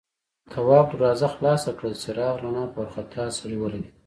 تواب دروازه خلاصه کړه، د څراغ رڼا په وارخطا سړي ولګېده.